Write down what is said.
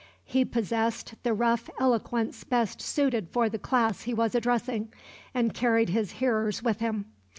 He possessed the rough eloquence best suited for the class he was addressing, and carried his hearers with him.